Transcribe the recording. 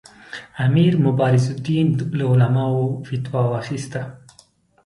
امیر مبارزالدین له علماوو فتوا واخیستله.